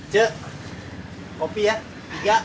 cik kopi ya tiga